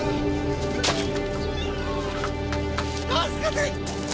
助けて！